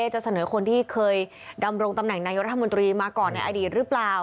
จะเสนอคนที่เคยดำรงตำแหน่งนายกรัฐมนตรีมาก่อนในอดีตหรือเปล่า